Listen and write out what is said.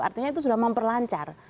artinya itu sudah memperlancar